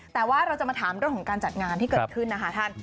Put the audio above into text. แต่ว่าเราจะมาถามเรื่องของการจัดงานที่เกิดขึ้นนะคะท่าน